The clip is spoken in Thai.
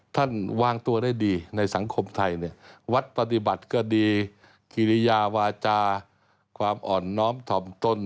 วางตัวได้ดีในสังคมไทยเนี่ยวัดปฏิบัติก็ดีกิริยาวาจาความอ่อนน้อมถ่อมตน